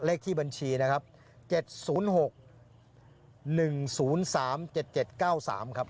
เลขที่บัญชีนะครับ๗๐๖๑๐๓๗๗๙๓ครับ